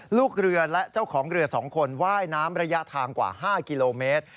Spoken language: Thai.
ลูกเรือและเจ้าของเรือ๒คนว่ายน้ำระยะทางกว่า๕กิโลเมตร